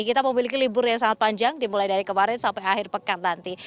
kita memiliki libur yang sangat panjang dimulai dari kemarin sampai akhir pekan nanti